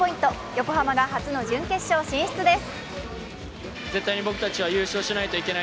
横浜が初の準決勝進出です。